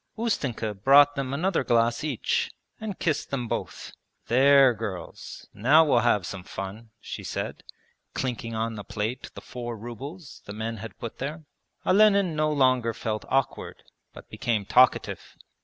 Ustenka brought them another glass each, and kissed them both. 'There girls, now we'll have some fun,' she said, clinking on the plate the four rubles the men had put there. Olenin no longer felt awkward, but became talkative.